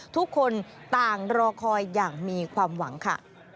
ทุกคนต่างรอคอยอย่างมีความหวังค่ะ